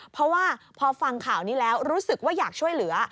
เพราะว่าพอฟังข่าวนี้แล้วรู้สึกว่าอยากช่วยเหลือ